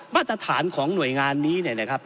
มาตรฐานของหน่วยงานนี้เนี่ยนะครับ